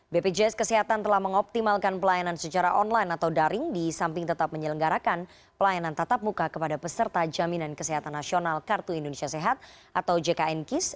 bpjs kesehatan telah mengoptimalkan pelayanan secara online atau daring di samping tetap menyelenggarakan pelayanan tatap muka kepada peserta jaminan kesehatan nasional kartu indonesia sehat atau jkn kis